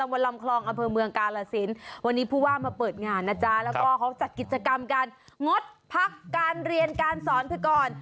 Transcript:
วันนี้ผู้ว่ามาเปิดงานนะจ๊ะแล้วก็ของจัดกิจกรรมการงดพักการเรียนการสอนพื้นกร